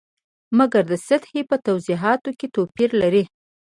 مګر د سطحې په توضیحاتو کې توپیر لري.